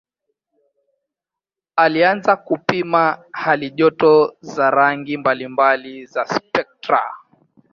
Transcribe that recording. Alianza kupima halijoto za rangi mbalimbali za spektra.